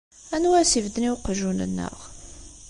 Anwa ara as-ibedden i uqjun-nneɣ?